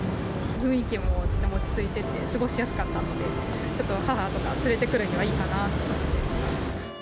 雰囲気もとても落ち着いてて、過ごしやすかったので、ちょっと母とか、連れてくるにはいいかなと思って。